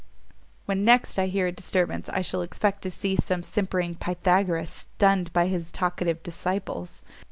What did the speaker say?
when next I hear a disturbance, I shall expect to see some simpering Pythagoras stunned by his talkative disciples."